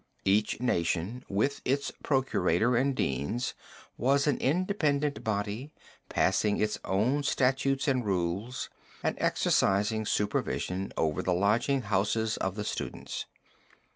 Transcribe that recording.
Each nation with its procurator and deans was an independent body, passing its own statutes and rules, and exercising supervision over the lodging houses of the students.